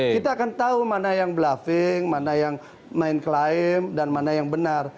kita akan tahu mana yang bluffing mana yang main klaim dan mana yang benar